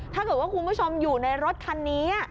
ถ้าเกิดว่าคุณผู้ชมอยู่ในรถคันนี้